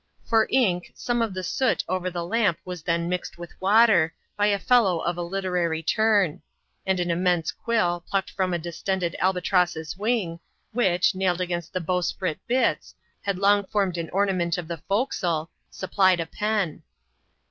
For ink, some of the soot over the lamp was then mixed with water, by a fellow of a literary turn ; and an immense quill, plucked from a distended albatross's wing, which, nailed against the bowsprit bitts, had long formed an ornament of the forecastle, supplied a pen.